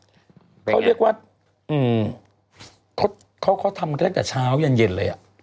นี้เนาะเขาเรียกว่าอืมเขาเขาทำแรกแต่เช้ายันเย็นเลยอ่ะ